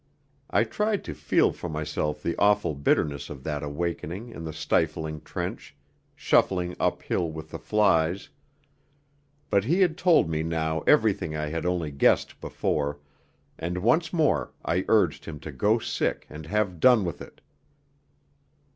I tried to feel for myself the awful bitterness of that awakening in the stifling trench, shuffling uphill with the flies.... But he had told me now everything I had only guessed before, and once more I urged him to go sick and have done with it.